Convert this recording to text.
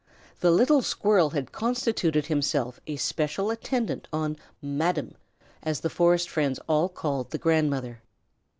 The little squirrel had constituted himself a special attendant on "Madam," as the forest friends all called the grandmother.